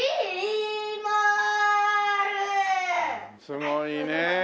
すごいね。